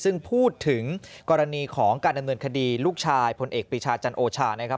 ซึ่งพูดถึงกรณีของการดำเนินคดีลูกชายพลเอกปีชาจันโอชานะครับ